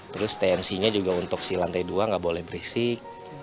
terus tnc nya juga untuk sih lantai dua nggak boleh berisik